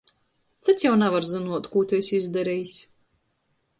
Cyts jau navar zynuot, kū tu esi izdarejs.